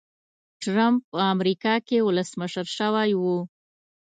ټرمپ په امریکا کې ولسمشر شوی و.